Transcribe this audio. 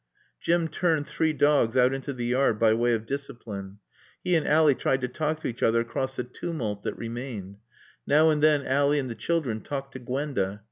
Jim turned three dogs out into the yard by way of discipline. He and Ally tried to talk to each other across the tumult that remained. Now and then Ally and the children talked to Gwenda.